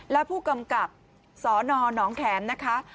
และผู้กำกับสนหนองแขมนะคะ